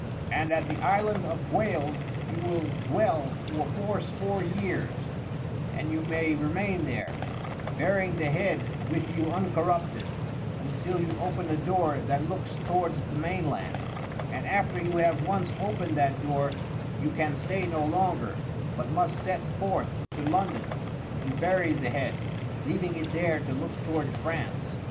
And at the Island of Gwales you will dwell for fourscore years, and you may remain there, bearing the head with you uncorrupted, until you open the door that looks towards the mainland; and after you have once opened that door you can stay no longer, but must set forth to London to bury the head, leaving it there to look toward France."